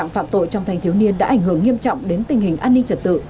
phạm tội trong thanh thiếu niên đã ảnh hưởng nghiêm trọng đến tình hình an ninh trật tự